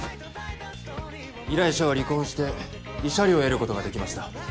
依頼者は離婚して慰謝料を得ることができました。